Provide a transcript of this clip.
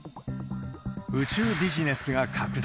宇宙ビジネスが拡大。